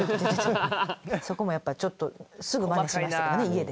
そこもやっぱちょっとすぐマネしましたけどね